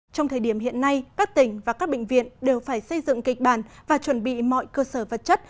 trong thời điểm hiện nay các tỉnh và các bệnh viện đều phải xây dựng kịch bản và chuẩn bị mọi cơ sở vật chất